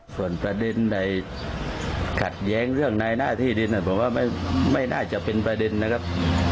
ส่วนประเด็นใดขัดแย้งเรื่องในหน้าที่ดินผมว่าไม่น่าจะเป็นประเด็นนะครับ